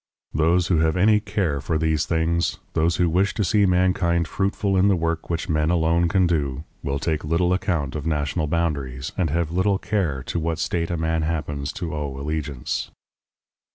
Those who have any care for these things, those who wish to see mankind fruitful in the work which men alone can do, will take little account of national boundaries, and have little care to what state a man happens to owe allegiance.